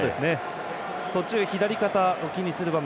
途中、左肩を気にする場面